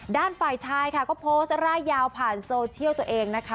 ฝ่ายชายค่ะก็โพสต์ร่ายยาวผ่านโซเชียลตัวเองนะคะ